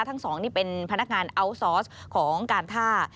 ทั้งสองนี่เป็นพนักงานอัลซอสของการท่า